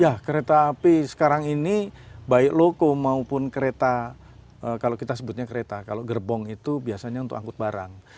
ya kereta api sekarang ini baik loko maupun kereta kalau kita sebutnya kereta kalau gerbong itu biasanya untuk angkut barang